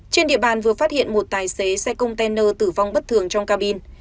trên địa bàn vừa phát hiện một tài xế xe container tử vong bất thường trong cabin